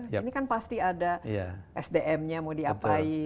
ini kan pasti ada sdmnya mau diapain